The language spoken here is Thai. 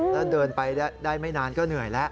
แล้วเดินไปได้ไม่นานก็เหนื่อยแล้ว